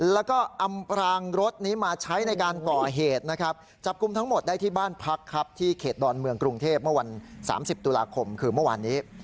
แล้วก็อำพรางรถนี้มาใช้ในการก่อเหตุนะครับจับกลุ่มทั้งหมดได้ที่บ้านพักครับที่เขตดอนเมืองกรุงเทพเมื่อวัน๓๐ตุลาคมคือเมื่อวานนี้